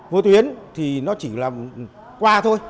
khiến thì nó chỉ là qua thôi